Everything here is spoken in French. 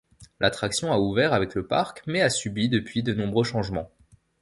L'attraction a ouvert avec le parc mais a subi depuis de nombreux changements.